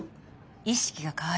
意識が変わる。